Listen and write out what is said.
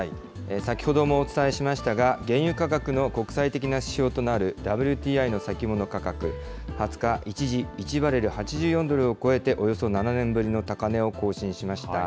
先ほどもお伝えしましたが、原油価格の国際的な指標となる、ＷＴＩの先物価格、２０日、一時、１バレル８４ドルを超えて、およそ７年ぶりの高値を更新しました。